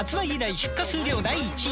出荷数量第一位！